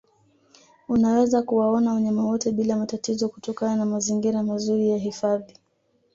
Unaweza kuwaona wanyama wote bila matatizo kutokana na mazingira mazuri ya hifadhi